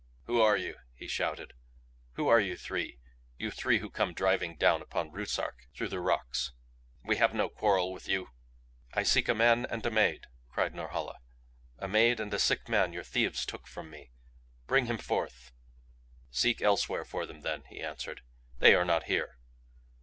"Who are you?" he shouted. "Who are you three, you three who come driving down upon Ruszark through the rocks? We have no quarrel with you?" "I seek a man and a maid," cried Norhala. "A maid and a sick man your thieves took from me. Bring him forth!" "Seek elsewhere for them then," he answered. "They are not here.